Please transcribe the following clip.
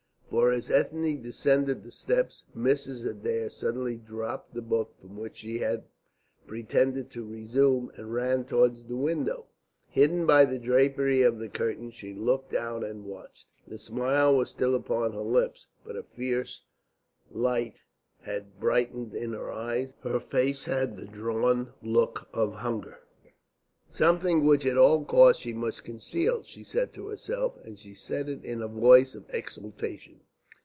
For as Ethne descended the steps Mrs. Adair suddenly dropped the book which she had pretended to resume and ran towards the window. Hidden by the drapery of the curtain she looked out and watched. The smile was still upon her lips, but a fierce light had brightened in her eyes, and her face had the drawn look of hunger. "Something which at all costs she must conceal," she said to herself, and she said it in a voice of exultation.